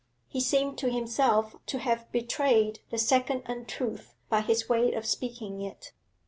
He seemed to himself to have betrayed the second untruth by his way of speaking it.